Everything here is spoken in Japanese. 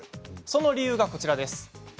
その理由が、こちらです。